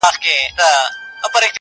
څوك به بولي له اټكه تر مالانه!